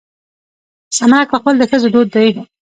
سمنک پخول د ښځو دود دی.